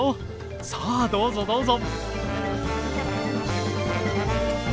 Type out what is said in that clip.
さあどうぞどうぞ。